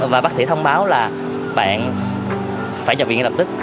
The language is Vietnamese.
và bác sĩ thông báo là bạn phải trở về ngay lập tức